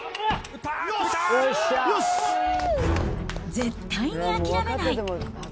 絶対に諦めない。